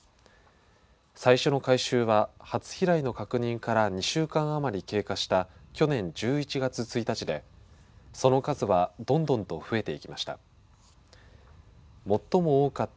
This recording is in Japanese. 最初の回収は、初飛来の確認から２週間余り経過した去年１１月１日でその数はどんどんと増えていきました。